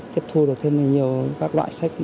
tiếp thu được thêm nhiều các loại sách